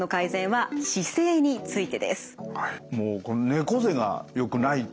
はい。